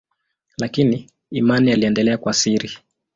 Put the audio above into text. Lakini imani iliendelea kwa siri.